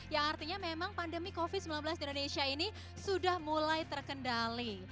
yang artinya memang pandemi covid sembilan belas di indonesia ini sudah mulai terkendali